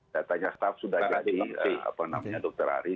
saya tanya staf sudah jadi apa namanya dokter ari